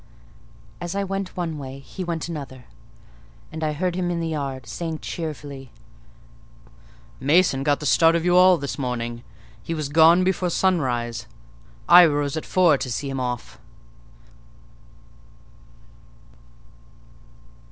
As I went one way, he went another, and I heard him in the yard, saying cheerfully— "Mason got the start of you all this morning; he was gone before sunrise: I rose at four to see him off."